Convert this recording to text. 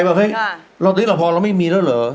แบบเฮ้ยเราตอนนี้แหละพอเราไม่มีแล้วเหรอ